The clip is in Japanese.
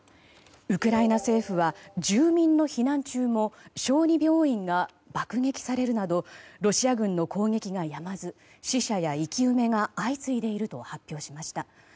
ウクライナ政府は住民の避難中も小児病院が爆撃されるなどロシア軍の攻撃がやまず死者や生き埋めが相次いでいると発表しました。